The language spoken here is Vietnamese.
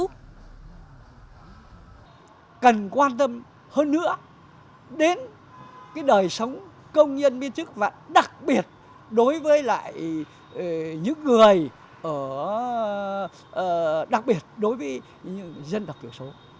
cần quan tâm hơn nữa đến đời sống công nhân biên chức và đặc biệt đối với những người đặc biệt đối với dân tộc thiểu số